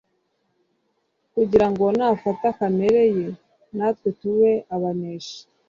kugira ngo nafata kamere ye natwe tube abaneshi.